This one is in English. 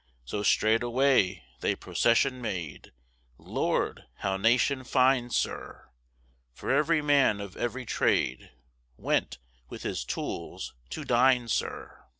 So straightway they procession made, Lord, how nation fine, sir! For every man of every trade Went with his tools to dine, sir.